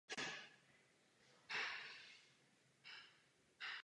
Na jezeře je velké množství ostrovů.